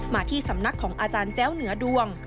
มาที่สำนักของอาจารย์แจ้วเหนือดวง